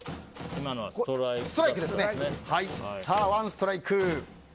はい、ワンストライク。